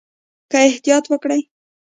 که احتیاط وکړئ